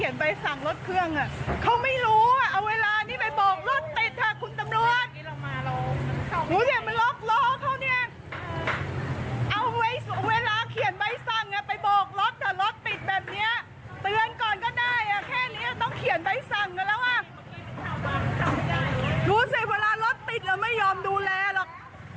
ดูสิเวลารถติดเราไม่ยอมดูแลหรอก